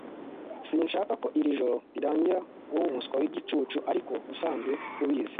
Sinshaka ko iri joro rirangira Urumuswa wigicucu, ariko usanzwe ubizi